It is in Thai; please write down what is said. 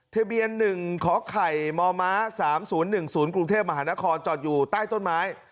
ทะเบียน๑ขอไข่มม๓๐๑๐กรุงเทพมหานครจอดอยู่ใต้ต้นไม้